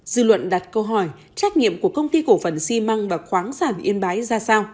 dư luận đặt câu hỏi